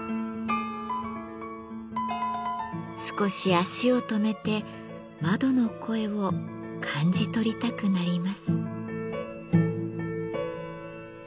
少し足を止めて窓の声を感じ取りたくなります。